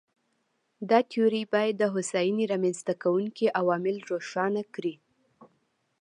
دا تیوري باید د هوساینې رامنځته کوونکي عوامل روښانه کړي.